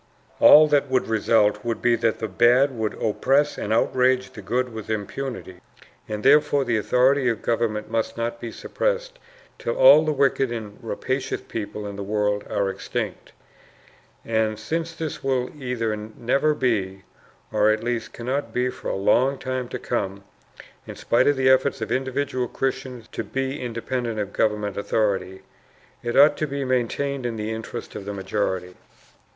All that would result, would be that the bad would oppress and outrage the good with impunity. And therefore the authority of government must not be suppressed till all the wicked and rapacious people in the world are extinct. And since this will either never be, or at least cannot be for a long time to come, in spite of the efforts of individual Christians to be independent of government authority, it ought to be maintained in the interests of the majority.